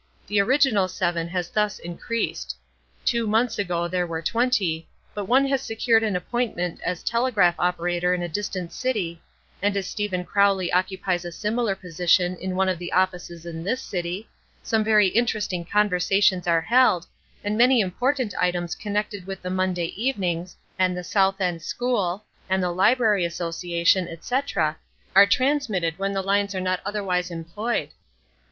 The original seven has thus increased. Two months ago there were twenty, but one has secured an appointment as telegraph operator in a distant city, and as Stephen Crowley occupies a similar position in one of the offices in this city, some very interesting conversations are held, and many important items connected with the "Monday Evenings" and the South End School and the "Library Association," etc., are transmitted when the lines are not otherwise employed.